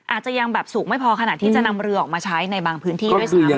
อาจจะยังแบบสูงไม่พอขนาดที่จะนำเรือออกมาใช้ในบางพื้นที่ด้วยซ้ำ